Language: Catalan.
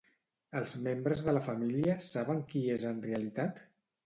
Els membres de la família saben qui és en realitat?